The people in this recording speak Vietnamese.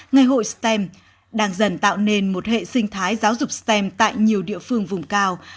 ngày hội stem đang dần tạo nên một hệ sinh thái giáo dục stem tại nhiều địa phương vùng cao